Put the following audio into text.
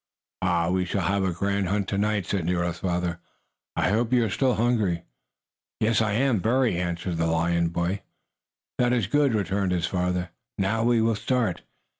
"Ah, we shall have a grand hunt to night!" said Nero's father. "I hope you are still hungry." "Yes I am, very," answered the boy lion. "That is good," returned the father. "Now we will start.